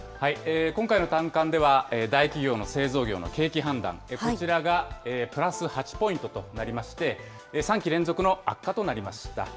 今回の短観では大企業の製造業の景気判断、こちらがプラス８ポイントとなりまして、３期連続の悪化となりました。